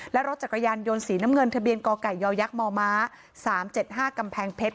และรถจักรยานยนต์สีน้ำเงินทะเบียนกไก่ยมม๓๗๕กำแพงเพชร